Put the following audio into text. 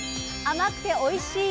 あまくておいしい！